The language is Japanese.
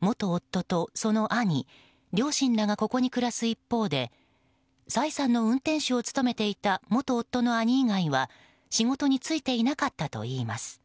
元夫とその兄両親らがここで暮らす一方でサイさんの運転手を務めていた元夫の兄以外は仕事に就いていなかったといいます。